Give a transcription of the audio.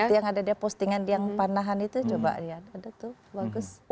berarti yang ada dia postingan yang panahan itu coba lihat ada tuh bagus